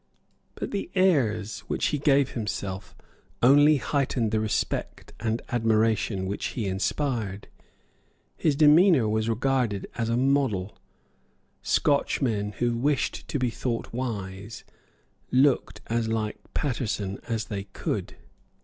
But the airs which he gave himself only heightened the respect and admiration which he inspired. His demeanour was regarded as a model. Scotch men who wished to be thought wise looked as like Paterson as they could.